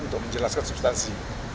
untuk menjelaskan substansi